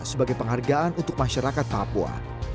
sebagai penghargaan untuk masyarakat papua